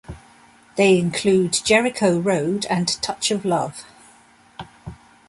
They include: Jericho Road and Touch of Love.